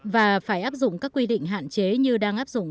và phải áp dụng các quy định hạn chế như đang áp dụng